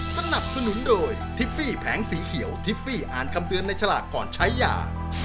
สนับสนุนโดยทิฟฟี่แผงสีเขียวทิฟฟี่อ่านคำเตือนในฉลากก่อนใช้ยา